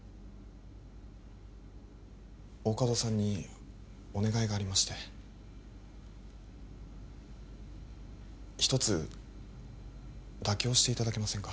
大加戸さんにお願いがありまして一つ妥協していただけませんか？